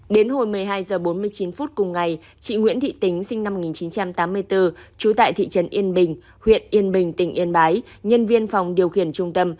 đến hồi một mươi hai h bốn mươi chín phút cùng ngày chị nguyễn thị tính sinh năm một nghìn chín trăm tám mươi bốn trú tại thị trấn yên bình huyện yên bình tỉnh yên bái nhân viên phòng điều khiển trung tâm